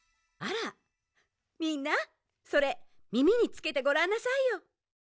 あらみんなそれみみにつけてごらんなさいよ。